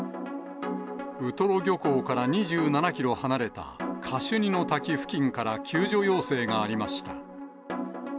ウトロ漁港から２７キロ離れたカシュニの滝付近から救助要請がありました。